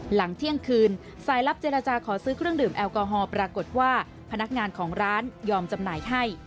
หลังเที่ยงคืนสายลับเจรจาขอซื้อเครื่องดื่มแอลกอฮอล์ปรากฏว่าพนักงานของร้านยอมจำหน่ายให้